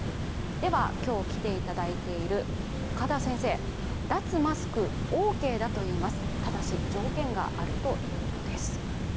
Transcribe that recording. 今日来ていただいている岡田先生、脱マスクＯＫだといいますただ、条件があるといいます。